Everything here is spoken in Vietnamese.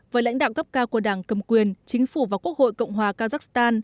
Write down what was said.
với lãnh đạo cấp cao của đảng cầm quyền chính phủ và quốc hội cộng hòa kazakhstan